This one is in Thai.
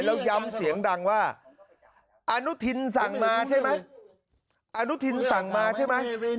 แล้วย้ำเสียงดังว่าอนุทินสั่งมาใช่ไหม